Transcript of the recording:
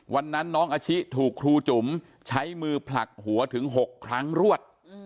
วันนั้นน้องอาชิถูกครูจุ๋มใช้มือผลักหัวถึง๖ครั้งรวด